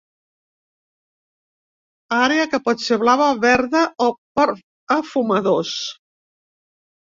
Àrea que pot ser blava, verda o per a fumadors.